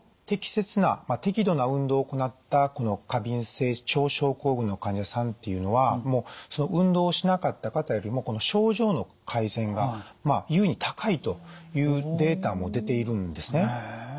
適切な適度な運動を行ったこの過敏性腸症候群の患者さんっていうのは運動しなかった方よりも症状の改善が優に高いというデータも出ているんですね。